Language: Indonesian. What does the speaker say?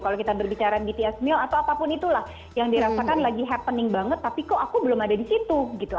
kalau kita berbicara bts meal atau apapun itulah yang dirasakan lagi happening banget tapi kok aku belum ada di situ gitu